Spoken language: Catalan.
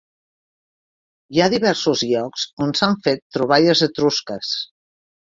Hi ha diversos llocs on s'han fet troballes etrusques.